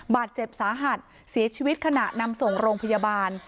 บาดเจ็บสาหัสเสียชีวิตขณะนำส่งโรงพยาบาล